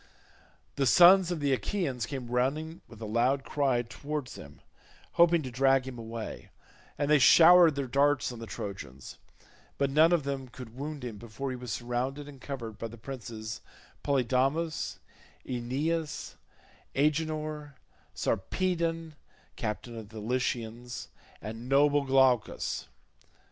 The sons of the Achaeans came running with a loud cry towards him, hoping to drag him away, and they showered their darts on the Trojans, but none of them could wound him before he was surrounded and covered by the princes Polydamas, Aeneas, Agenor, Sarpedon captain of the Lycians, and noble Glaucus.